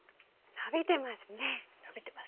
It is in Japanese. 伸びてますね。